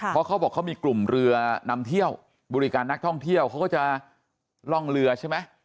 เพราะเขาบอกเขามีกลุ่มเรือนำเที่ยวบริการนักท่องเที่ยวเขาก็จะล่องเรือใช่ไหม